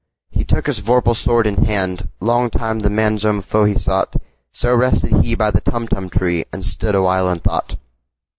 He took his vorpal sword in hand:Long time the manxome foe he sought—So rested he by the Tumtum tree, And stood awhile in thought.